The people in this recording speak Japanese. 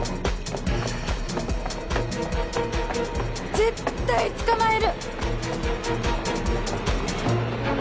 絶対捕まえる！